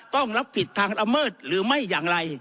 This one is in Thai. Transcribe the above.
ต้องรับผิดทางละเมิดหรือไม่อย่างไร